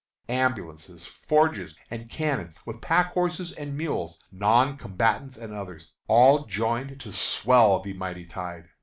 Ambulances, forges, and cannon, with pack horses and mules, non combatants and others, all joined to swell the mighty tide.